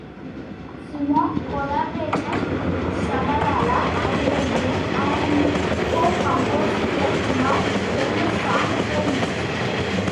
Simon collaborated with Shabalala and the group, and co-composed the now-famous song, "Homeless".